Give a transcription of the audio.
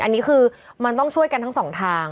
อันนี้คือมันต้องช่วยกันทั้งสองทาง